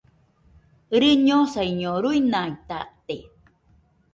Rɨñosaiño, ruinaitate.